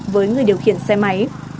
với người điều khiển xe máy